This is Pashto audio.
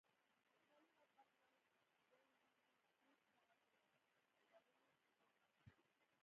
کلونه پس راووځي، بیا یې هم موږ پوځ سره په لار لرلو تورنوو